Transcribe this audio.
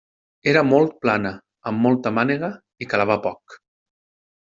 Era molt plana, amb molta mànega i calava poc.